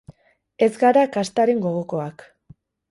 Ez gara kastaren gogokoak.